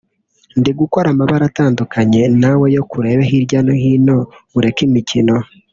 ndi gukora amabara atandukanye nawe yoka urebe hirya no hino ureke imikino